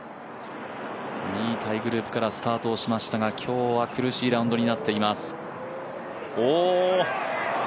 ２位タイグループからスタートしましたが今日は、苦しいラウンドになっています。